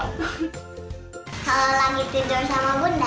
kalau lagi tidur sama bunda